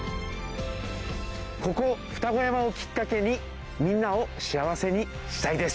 ここ二子山をきっかけにみんなを幸せにしたいです。